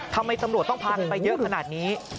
ทำไมตำรวจต้องพากันไปเยอะขนาดนี้